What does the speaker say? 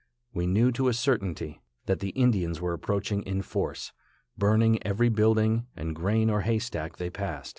We knew to a certainty that the Indians were approaching in force, burning every building and grain or hay stack they passed.